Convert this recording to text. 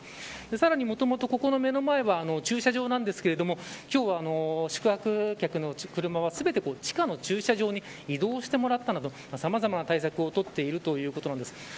さらに、もともとここの目の前は駐車場なんですが今日は、宿泊客の車は全て地下の駐車場に移動してもらったなどさまざまな対策を取っているということです。